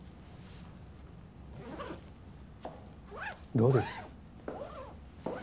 どうです？